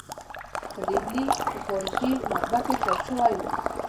په ډهلي په فاروقي مطبعه کې چاپ شوی و.